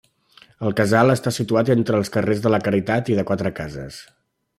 El casal està situat entre els carrers de la caritat i de quatre cases.